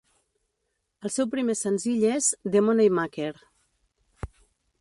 El seu primer senzill és "The Moneymaker".